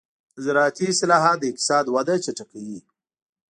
زراعتي اصلاحات د اقتصاد وده چټکوي.